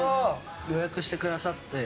予約してくださって。